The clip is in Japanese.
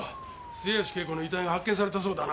末吉恵子の遺体が発見されたそうだな？